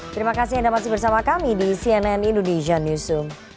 terima kasih anda masih bersama kami di cnn indonesia news zoom